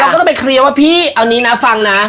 ก็ต้องไปเคลียร์ว่าพี่เอานี้นะฟังนะ